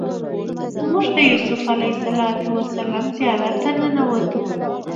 موږ د یوسف علیه السلام زیارت ته ننوتو.